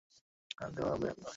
হ্যাঁ, দেয়াল বেয়ে দেখাও।